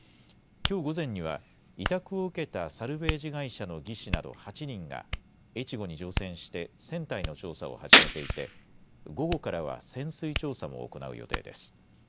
きょう午前には委託を受けたサルベージ会社の技師など８人がえちごに乗船して船体の調査を始めていて、午後からは潜水調査も行う予定です。